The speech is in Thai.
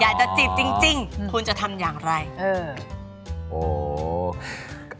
แล้วคุณพูดกับอันนี้ก็ไม่รู้นะผมว่ามันความเป็นส่วนตัวซึ่งกัน